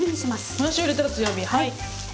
もやしを入れたら強火はい。